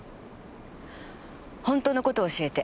本当の事教えて。